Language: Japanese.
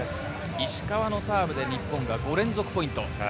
石川のサーブで日本が５連続ポイント。